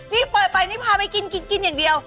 นี่ปล่อยไปนี่พาไปกินกินอย่างเดียว